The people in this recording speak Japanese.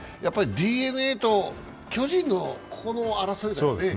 ＤｅＮＡと巨人の争いですね。